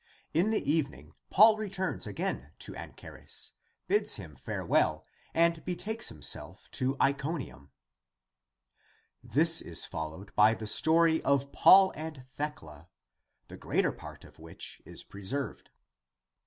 In the evening Paul returns again to Anchares, bids him farewell and betakes himself to Tconium. ACTS OF PAUL 5 This is followed by the story of Paul and Thecla, the greater part of which is preserved.